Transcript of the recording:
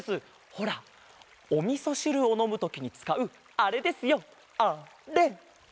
ほらおみそしるをのむときにつかうあれですよあれ。